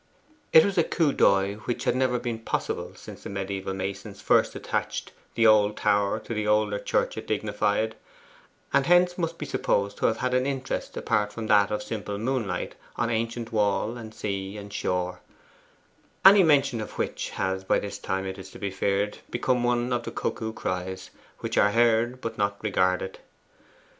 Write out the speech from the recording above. It was a coup d'oeil which had never been possible since the mediaeval masons first attached the old tower to the older church it dignified, and hence must be supposed to have had an interest apart from that of simple moonlight on ancient wall and sea and shore any mention of which has by this time, it is to be feared, become one of the cuckoo cries which are heard but not regarded.